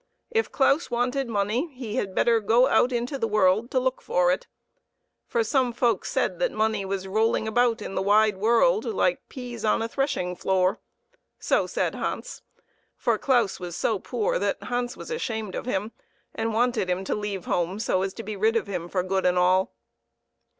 If Claus wanted money he had better go out into the world to look for it; for some folks said that money was rolling about in the wide world like peas on a threshing floor. So said Hans, for Claus was so poor that Hans was ashamed of him, and wanted him to leave home so as to be rid of him for good and all.